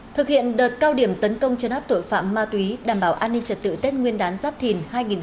thực hiện đợt cao điểm tấn công chấn áp tội phạm ma túy đảm bảo an ninh trật tự tết nguyên đán giáp thìn hai nghìn hai mươi bốn